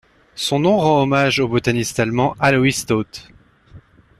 Son nom rend hommage au botaniste allemand Alois Staudt.